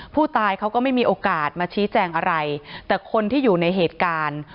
ผู้ตายเขาก็ไม่มีโอกาสมาชี้แจงอะไรแต่คนที่อยู่ในเหตุการณ์